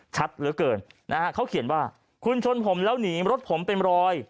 ชัดเหลือเกินนะฮะเขาเขียนว่าคุณชนผมแล้วหนีรถผมเป็นรอย